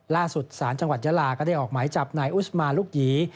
ล่าสุดศาลจังหวัดยาลาก็ได้ออกหมายจับนายอุสมาลูกหยี